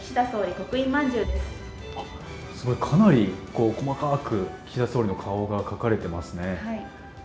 かなり細かく岸田総理の顔が描かれてますね。